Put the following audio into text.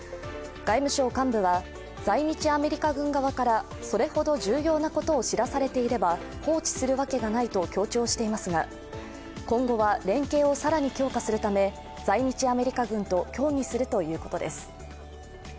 外務省幹部は、在日アメリカ軍側からそれほど重要なことを知らされていれば放置するわけがないと強調していますが今後は連携を更に強化するため在日アメリカ軍と協議するということです。